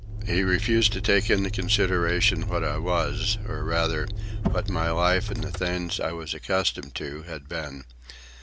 He refused to take into consideration what I was, or, rather, what my life and the things I was accustomed to had been.